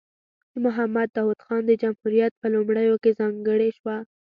د محمد داود خان د جمهوریت په لومړیو کې ځانګړې شوه.